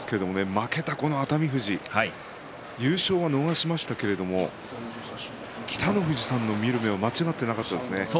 負けた熱海富士、優勝は逃しましたけど北の富士さんの見る目は間違っていなかったですね。